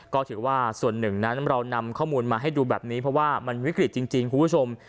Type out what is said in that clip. ก็ถือว่าส่วนหนึ่งนั้นเรานำข้อมูลมาให้ดูแบบนี้เพราะว่ามันวิกฤตจริงคุณผู้ชม